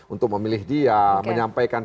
untuk memilih dia menyampaikan